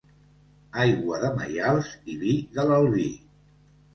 Aigua de Maials i vi de l'Albi.